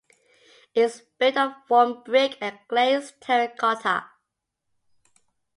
It is built of warm brick and glazed terra cotta.